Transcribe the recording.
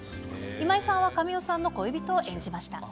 今井さんは、神尾さんの恋人を演じました。